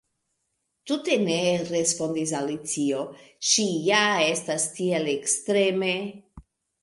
"Tute ne," respondis Alicio. "Ŝi ja estas tiel ekstreme…"